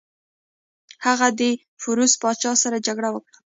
هغه د پوروس پاچا سره جګړه وکړه.